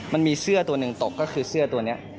มันมีเสื้อตัวหนึ่งตกก็คือเสื้อตัวนี้